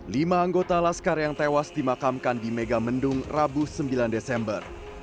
lima anggota laskar yang tewas dimakamkan di megamendung rabu sembilan desember